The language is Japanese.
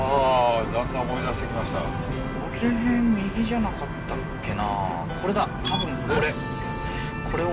この辺右じゃなかったっけな？